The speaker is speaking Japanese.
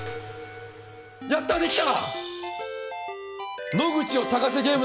やったできた！